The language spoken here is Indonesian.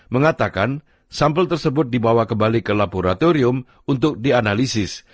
mengatakan sampel tersebut dibawa kembali ke laboratorium untuk dianalisis